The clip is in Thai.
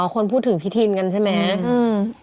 คนพูดถึงพี่ทินกันใช่ไหม